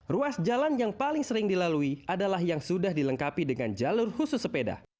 ruas jalan yang paling sering dilalui adalah yang sudah dilengkapi dengan jalur khusus sepeda